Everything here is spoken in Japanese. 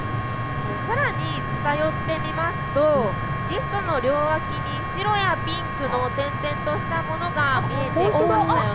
さらに近寄ってみますとリフトの両脇に白やピンクの点々としたものが見えていますよね。